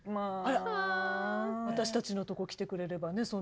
私たちのとこ来てくれればね